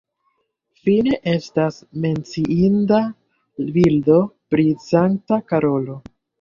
Fine estas menciinda bildo pri Sankta Karolo.